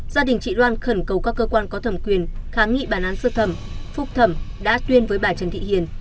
gia đình chị loan khẩn cầu các cơ quan có thẩm quyền kháng nghị bản án sơ thẩm phúc thẩm đã tuyên với bà trần thị hiền